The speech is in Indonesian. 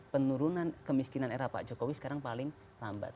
penurunan kemiskinan era pak jokowi sekarang paling lambat